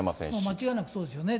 間違いなくそうですよね。